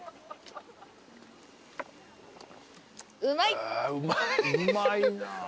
うまいな。